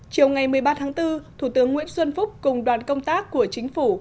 chiều ngày một mươi ba tháng bốn thủ tướng nguyễn xuân phúc cùng đoàn công tác của chính phủ